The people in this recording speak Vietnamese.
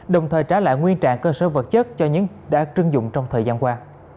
đồng thời trả lại nguyên trạng cơ sở vật chất cho những đã trưng dụng trong thời gian qua